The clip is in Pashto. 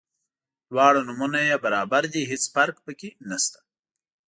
دواړه نومونه یې برابر دي هیڅ فرق په کې نشته.